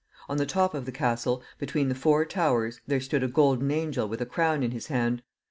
On the top of the castle, between the four towers, there stood a golden angel with a crown in his hand.